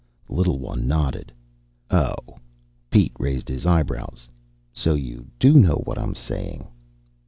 The little one nodded. "Oh?" Pete raised his eyebrows. "So you do know what I'm saying."